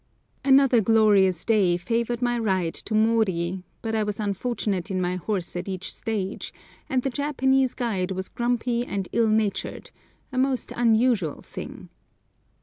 Another glorious day favoured my ride to Mori, but I was unfortunate in my horse at each stage, and the Japanese guide was grumpy and ill natured—a most unusual thing.